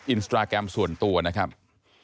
อินสตราแกรมส่วนตัวนะครับ